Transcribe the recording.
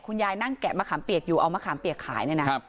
คุณยายนั่งแกะมะขามเปียกอยู่เอามะขามเปียกขายเลยนะครับ